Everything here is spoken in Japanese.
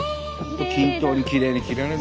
均等にきれいに切られるね。